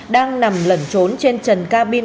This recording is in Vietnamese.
đang nằm lẩn trốn trên trần cabin